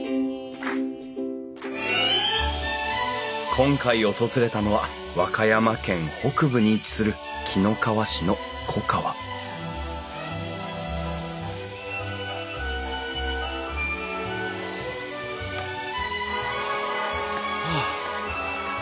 今回訪れたのは和歌山県北部に位置する紀の川市の粉河はあ。